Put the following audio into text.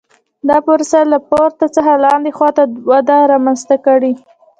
دا پروسه له پورته څخه لاندې خوا ته وده رامنځته کړي